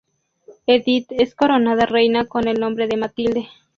Edith es coronada reina con el nombre de "Matilde".